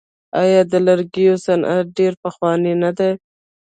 آیا د لرګیو صنعت ډیر پخوانی نه دی؟